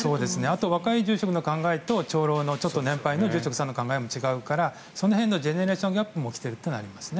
あと若い住職の考えと長老のちょっと先輩の住職さんの考えも違うからその辺のジェネレーションギャップも起きていると思いますね。